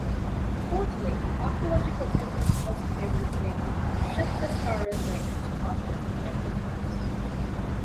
Fourthly, archaeological evidence also favors dating Shepseskare's reign to after Neferefre's.